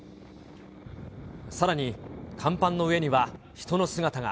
さらに、甲板の上には人の姿が。